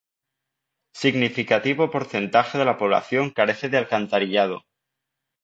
Significativo porcentaje de la población carece de alcantarillado.